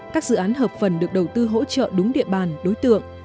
các dự án hợp phần được đầu tư hỗ trợ đúng địa bàn đối tượng